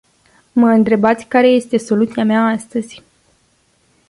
Mă întrebați care este soluția mea astăzi.